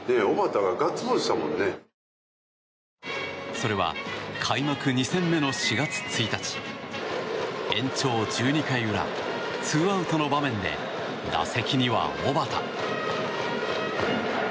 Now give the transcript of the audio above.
それは開幕２戦目の４月１日延長１２回裏ツーアウトの場面で打席には小幡。